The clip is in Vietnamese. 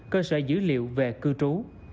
cơ sở dữ liệu về cư trú